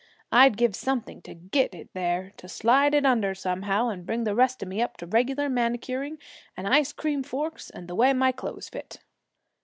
I'd give something to get it there to slide it under, somehow, and bring the rest of me up to regular manicuring and ice cream forks and the way my clothes fit!'